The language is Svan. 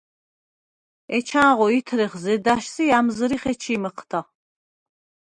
ეჩანღო ითრეხ ზედა̈შს ი ა̈მზჷრიხ ეჩი̄ მჷჴდა.